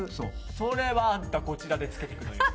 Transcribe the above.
それはこちらでつけてくのよ。